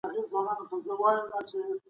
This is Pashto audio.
د احتکار تصور خطرناکه پدیده ده.